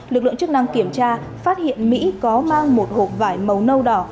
lực lượng chức năng kiểm tra phát hiện mỹ có mang một hộp vải màu nâu đỏ